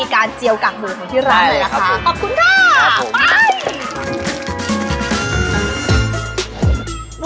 เจียวกากหมูของที่ร้านหน่อยนะคะขอบคุณค่ะ